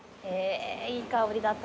いい香りだった。